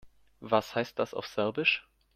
Was heißt das auf Serbisch?